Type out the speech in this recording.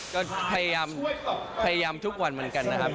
ก็พยายามทุกวันเหมือนกันนะครับ